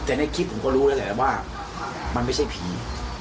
แต่ในคลิปผมก็รู้แล้วแหละว่ามันไม่ใช่ผี